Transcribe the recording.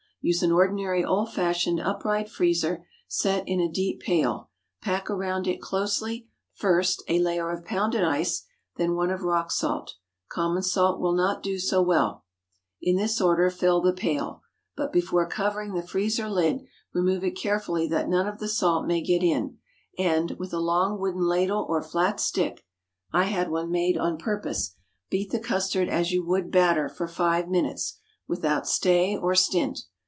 Use an ordinary old fashioned upright freezer, set in a deep pail; pack around it closely, first, a layer of pounded ice, then one of rock salt—common salt will not do so well. In this order fill the pail; but before covering the freezer lid, remove it carefully that none of the salt may get in, and, with a long wooden ladle or flat stick (I had one made on purpose), beat the custard as you would batter, for five minutes, without stay or stint.